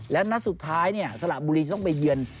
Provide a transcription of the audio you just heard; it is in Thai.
และราธิตรท้ายเนี่ยสระบุรีต้องไปเยือนฯ